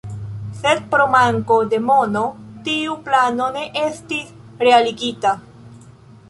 Sed pro manko de mono tiu plano ne estis realigita.